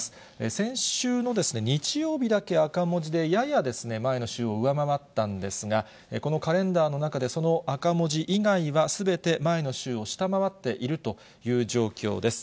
先週の日曜日だけ赤文字でやや、前の週を上回ったんですが、このカレンダーの中で、その赤文字以外は、すべて前の週を下回っているという状況です。